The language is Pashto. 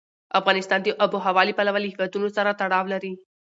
افغانستان د آب وهوا له پلوه له هېوادونو سره تړاو لري.